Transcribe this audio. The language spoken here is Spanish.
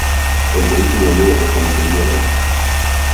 El vehículo luego fue incendiado.